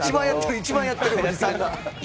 一番やってるおじさんが。